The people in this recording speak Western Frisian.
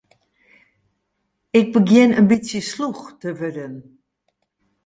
Ik begjin in bytsje slûch te wurden.